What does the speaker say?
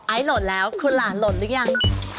ไอล์โหลดแล้วคุณหลานโหลดหรือยัง